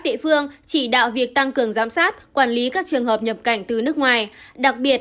địa phương chỉ đạo việc tăng cường giám sát quản lý các trường hợp nhập cảnh từ nước ngoài đặc biệt